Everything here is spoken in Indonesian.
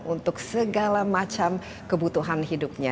untuk segala macam kebutuhan hidupnya